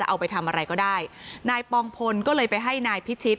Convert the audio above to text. ไม่เป็นไรจะเอาไปทำอะไรก็ได้นายปองพลก็เลยไปให้นายพิชิต